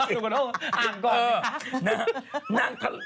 คุณผู้ชมอ่านก่อน